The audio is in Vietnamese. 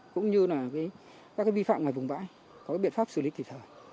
cũng như là các cái vi phạm ngoài vùng vãi có cái biện pháp xử lý kịp thời